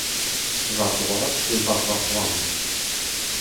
War droad pe war varc'h-houarn.